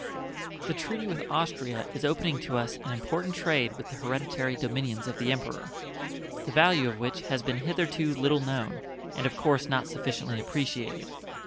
The treaty with Austria is opening to us an important trade with the hereditary dominions of the Emperor, the value of which has been hitherto little known, and of course not sufficiently appreciated.